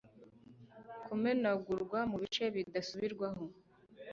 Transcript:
kumenagurwa mubice bidasubirwaho